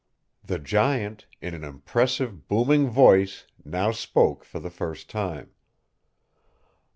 The giant, in an impressive, booming voice, now spoke for the first time.